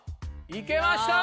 いけました！